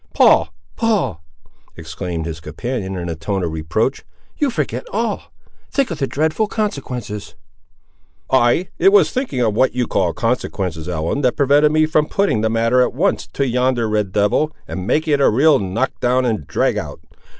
"Paul! Paul!" exclaimed his companion in a tone of reproach, "you forget all! Think of the dreadful consequences!" "Ay, it was thinking of what you call consequences, Ellen, that prevented me from putting the matter, at once, to yonder red devil, and making it a real knock down and drag out!